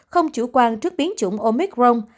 không chủ quan trước biến chủng omicron